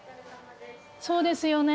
そうですよね。